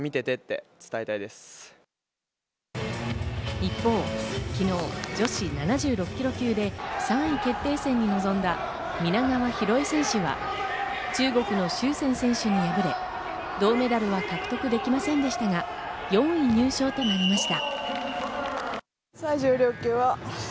一方、昨日、女子７６ｋｇ級で３位決定戦に臨んだ皆川博恵選手が中国のシュウ・セイ選手に敗れ、銅メダルは獲得できませんでしたが、４位入賞となりました。